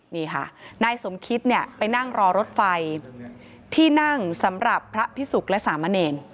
นี่ค่ะนายสมคิตเนี่ยไปนั่งรอรถไฟที่นั่งสำหรับพระพิสุกและสามะเนร